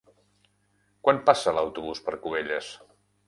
Quan passa l'autobús per Cubelles?